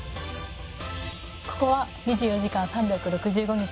ここは２４時間３６５日